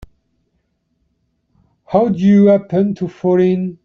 How'd you happen to fall in?